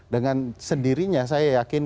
dengan sendirinya saya yakin